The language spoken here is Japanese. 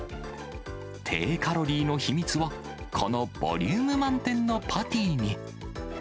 低カロリーの秘密は、このボリューム満点のパティに。